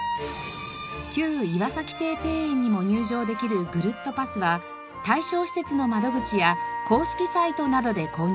旧岩崎邸庭園にも入場できるぐるっとパスは対象施設の窓口や公式サイトなどで購入できます。